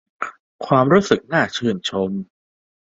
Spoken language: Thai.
ความรู้สึกน่าชื่นชม